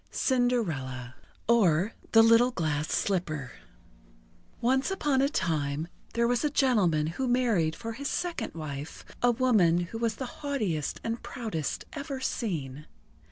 _ CINDERELLA OR THE LITTLE GLASS SLIPPER Once upon a time there was a gentleman who married for his second wife a woman who was the haughtiest and proudest ever seen.